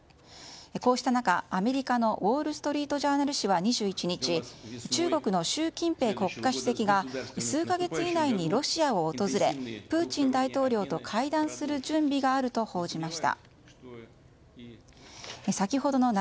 こうした中、アメリカのウォール・ストリート・ジャーナル紙は２１日、中国の習近平国家主席が数か月以内にロシアを訪れプーチン大統領と会談する準備があると報じました。